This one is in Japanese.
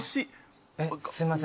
すいません